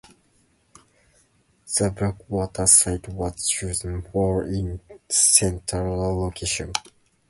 The Blackwater site was chosen for its central location.